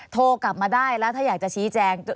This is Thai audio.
โทรกลับมาได้แล้วถ้าอยากจะชี้แจง